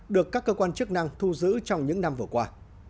được các cơ quan chức năng thu giữ trong những năm vừa qua